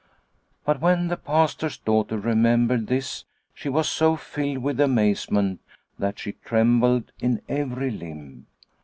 But when the Pastor's daughter remembered this she was so filled with amazement that she trembled in every limb.